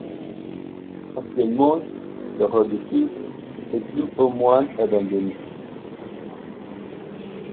Actuellement, la redoute est plus ou moins abandonnée.